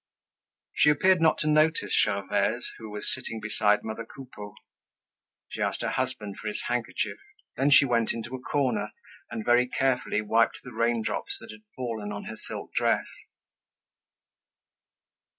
She appeared not to notice Gervaise, who was sitting beside mother Coupeau. She asked her husband for his handkerchief. Then she went into a corner and very carefully wiped off the raindrops that had fallen on her silk dress.